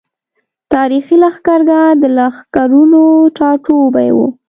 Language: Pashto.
تاريخي لښکرګاه د لښکرونو ټاټوبی وو۔